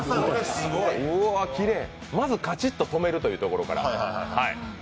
まずカチッと止めるというところから。